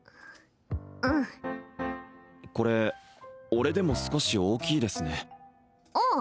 うんこれ俺でも少し大きいですねああ